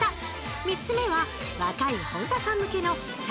３つ目は若い本田さん向けの「先取りコース」